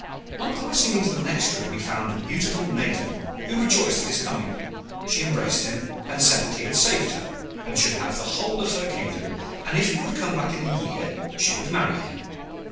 On passing into the next room he found a beautiful Maiden, who rejoiced at his coming. She embraced him, and said that he had saved her, and should have the whole of her kingdom; and if he would come back in a year she would marry him.